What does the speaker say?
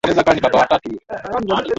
ya vituo vya kifedha vya kisiasa na vya